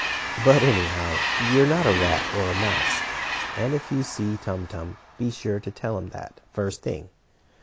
But, anyhow, you're not a rat or a mouse. And if you see Tum Tum, be sure to tell him that, the first thing."